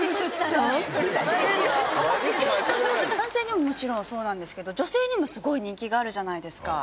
男性にももちろんそうですけど女性にも人気じゃないですか。